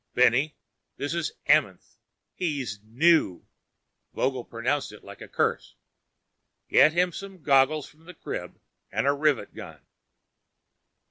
"Benny, this is Amenth. He's new." Vogel pronounced it like a curse. "Get him some goggles from the crib, a rivet gun."